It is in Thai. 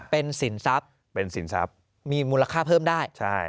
เป็นสินทรัพย์เป็นสินทรัพย์มีมูลค่าเพิ่มได้